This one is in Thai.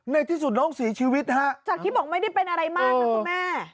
ในที่สุดน้องเสียชีวิตฮะจากที่บอกไม่ได้เป็นอะไรมากนะคุณแม่